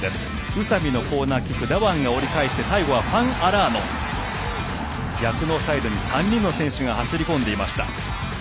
宇佐美のコーナーキック宇佐美が折り返して最後はファン・アラーノ逆のサイドに３人の選手が走り込んでいました。。